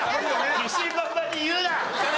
自信満々に言うな！